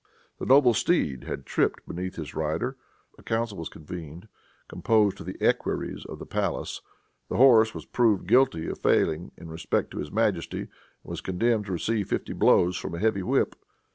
The noble steed had tripped beneath his rider. A council was convened, composed of the equerries of the palace. The horse was proved guilty of failing in respect to his majesty, and was condemned to receive fifty blows from a heavy whip.